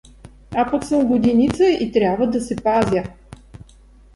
А пък съм годеница и трябва да се пазя.